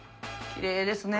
きれいですね。